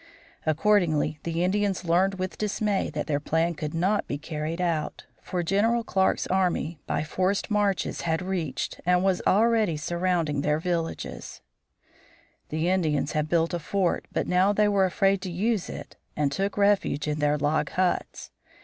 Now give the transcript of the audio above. Accordingly, the Indians learned with dismay that their plan could not be carried out, for General Clark's army by forced marches had reached and was already surrounding their village. The Indians had built a fort, but now they were afraid to use it and took refuge in their log huts.